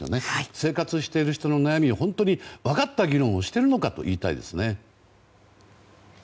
生活している人の悩みを本当に分かった議論をしてるのか？と言いたいですね。